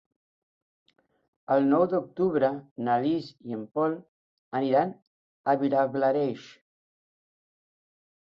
El nou d'octubre na Lis i en Pol aniran a Vilablareix.